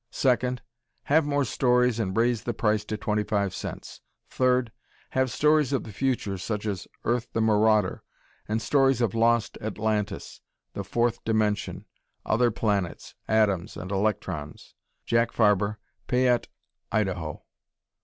Second, have more stories and raise the price to 25c. Third, have stories of the future such as "Earth, the Marauder," and stories of lost Atlantis, the fourth dimension, other planets, atoms and electrons. Jack Farber, Payette, Idaho.